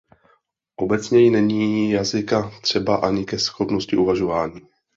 Obecněji není jazyka třeba ani ke schopnosti uvažování.